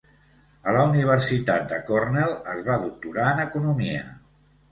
A la Universitat de Cornell es va doctorar en economia.